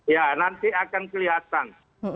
ya nanti akan kelihatan